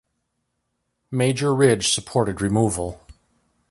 Major Ridge supported removal.